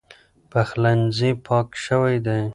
پخلنځی پاک شوی دی.